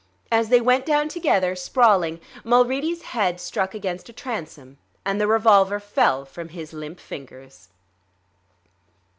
As they went down together, sprawling, Mulready's head struck against a transom and the revolver fell from his limp fingers.